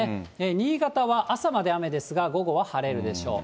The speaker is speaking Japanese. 新潟は朝まで雨ですが、午後は晴れるでしょう。